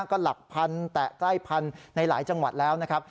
ก็หลักพันแตะใกล้พันธุ์ในหลายจังหวัดแล้วนะครับ